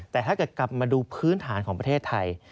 แต่ถ้าเกิดกลับมาดูพื้นฐานของประเทศไทย